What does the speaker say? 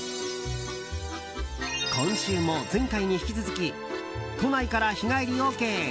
今週も前回に引き続き都内から日帰りＯＫ